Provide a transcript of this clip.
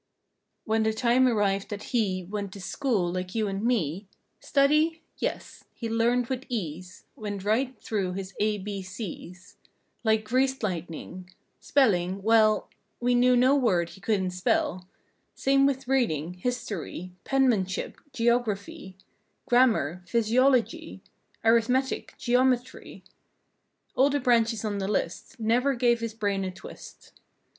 When the time arrived that he Went to school like you and me: Study? Yes. He learned with ease Went right through his A, B, C's Like greased lightning. Spelling—well We knew no word he couldn't spell. Same with reading—history Penmanship—geographj^— Grammar—physiology— Arithmetic—geometry— All the branches on the list Never gave his brain a twist.